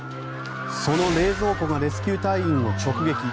その冷蔵庫がレスキュー隊員を直撃。